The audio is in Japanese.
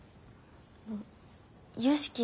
あの良樹